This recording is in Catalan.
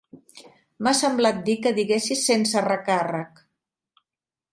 M'ha semblat sentir que diguessis sense recàrrec.